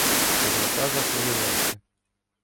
Чорнота захвилювався.